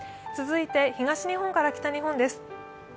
続いて東日本から北日本です。